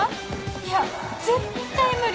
いや絶対無理！